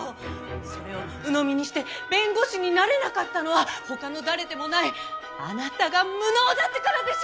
それをうのみにして弁護士になれなかったのは他の誰でもないあなたが無能だったからでしょ！